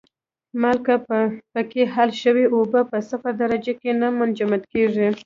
مالګه پکې حل شوې اوبه په صفر درجه کې نه منجمد کیږي.